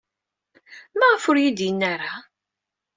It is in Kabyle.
Maɣef ur iyi-d-yenni ara?